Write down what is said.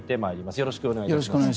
よろしくお願いします。